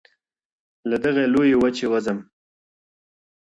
• له دغي لويي وچي وځم.